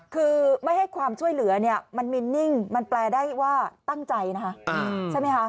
คือไม่ให้ความช่วยเหลือเนี่ยมันมินนิ่งมันแปลได้ว่าตั้งใจนะคะใช่ไหมคะ